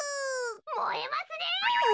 もえますねえ！